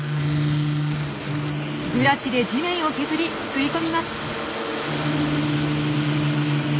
ブラシで地面を削り吸い込みます！